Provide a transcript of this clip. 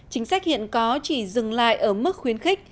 chính sách hiện có chỉ dừng lại ở mức khuyến khích